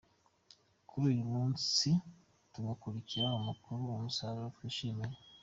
kuri uyu munsi tumurikira abakuru umusaruro twishimiye.